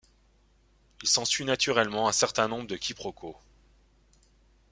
Il s'ensuit naturellement un certain nombre de quiproquos.